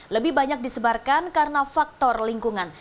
lebih banyak disebarkan karena faktor lingkungan